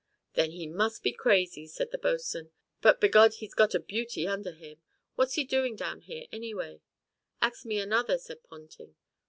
"Then he must be crazy," said the Bo'sw'n, "but b'God he's got a beauty under him what's he doin' down here away?" "Ax me another," said Ponting.